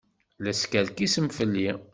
La teskerkisem fell-i.